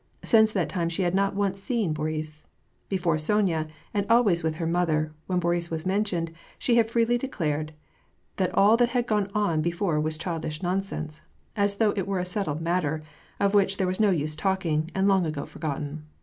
Since that time she had not once seen Boris. Before Sonya, and always with her mother, when Boris was mentioned, she had freely declared that all that had gone before was child ish nonsense ; as though it were a settled matter, of which there was no use talking, and long ago forgotten.